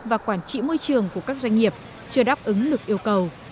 và quản trị môi trường của các doanh nghiệp chưa đáp ứng được yêu cầu